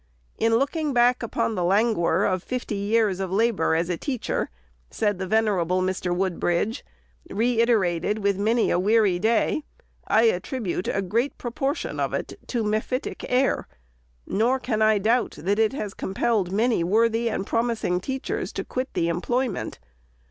" In looking back upon the lan guor of fifty years of labor as a teacher," said the vener able Mr. Woodbridge, " reiterated with many a weary day, I attribute a great proportion of it to mephitic air ; nor can I doubt that it has compelled many worthy and prom ising' teachers to quit the employment.